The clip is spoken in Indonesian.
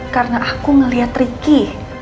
karena aku ngeliat riki